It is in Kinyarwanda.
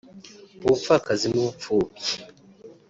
ubupfakazi n’ubupfubyi